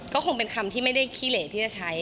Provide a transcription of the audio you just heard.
ก็คงเป็นคำที่ไม่ได้ขี้เหลที่จะใช้